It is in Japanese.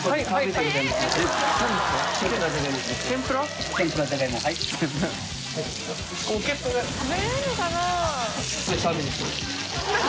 食べれるかな？